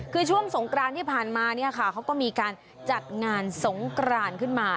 คือช่วงสงกรานที่ผ่านมาเนี่ยค่ะเขาก็มีการจัดงานสงกรานขึ้นมา